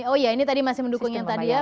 oh ya ini tadi masih mendukung yang tadi ya